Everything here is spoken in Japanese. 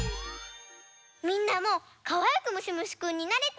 みんなもかわいくむしむしくんになれた？